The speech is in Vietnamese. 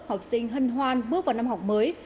học sinh hân hoan bước vào năm học mới